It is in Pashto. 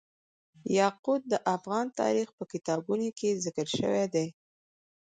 یاقوت د افغان تاریخ په کتابونو کې ذکر شوی دي.